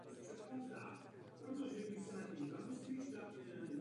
Kdy byla tvrz založena není známé.